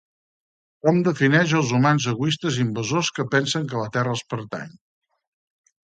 Com defineix els humans egoistes invasors que pensen que la Terra els pertany